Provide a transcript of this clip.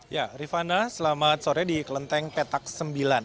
ya rifana selamat sore di kelenteng petak sembilan